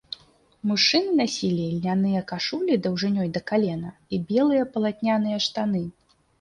Мужчыны насілі ільняныя кашулі даўжынёй да калена і белыя палатняныя штаны.